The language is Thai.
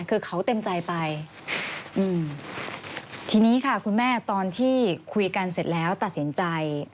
คือเขาเต็มใจไปอืมทีนี้ค่ะคุณแม่ตอนที่คุยกันเสร็จแล้วตัดสินใจ